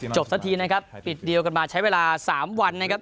สักทีนะครับปิดเดียวกันมาใช้เวลา๓วันนะครับ